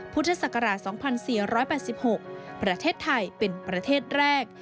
พุทธศักราช๒๔๘๖ประเทศไทยเป็นประเทศแรก